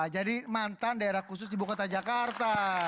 jadi mantan daerah khusus ibu kota jakarta